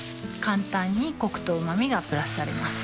簡単にコクとうま味がプラスされます